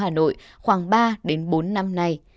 hà nội khoảng ba bốn năm nay